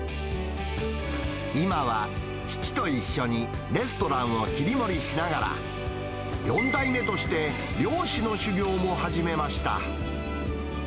今は父と一緒にレストランを切り盛りしながら、４代目として漁師の修業も始めました。